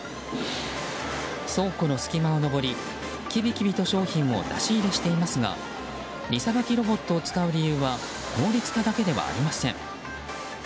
倉庫の隙間を上り、きびきびと商品を出し入れしていますが荷さばきロボットを使う理由は効率化だけではありません。